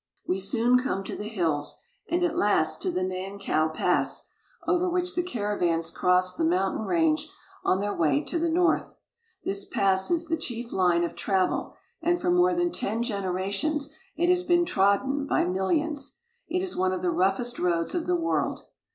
We soon come to the hills, and at last to the Nankow THE GREAT WALL OF CHINA 1 39 Pass, over which the caravans cross the mountain range on their way to the north. This pass is the chief line of travel, and for more than ten generations it has been trodden by millions. It is one of the roughest roads of the world.